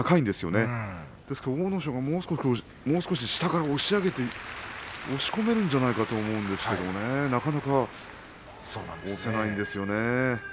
ですから阿武咲は少し下から押し上げて、押し込めるんじゃないかと思うんですけどもなかなか押せないんですね。